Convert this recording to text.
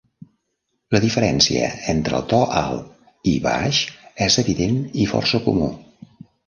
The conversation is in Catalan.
La diferència entre el to alt i baix és evident i força comú.